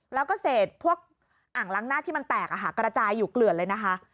แล้วก็เศษพวกอ่างล้างหน้าที่มันแตกกระจายอยู่เกลือดเลยนะคะ